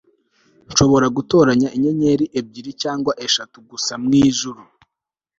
nshobora gutoranya inyenyeri ebyiri cyangwa eshatu gusa mwijuru